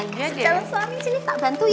kalau suami sini tak bantu ya